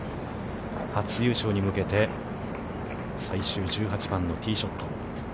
初優勝に向けて、最終１８番のティーショット。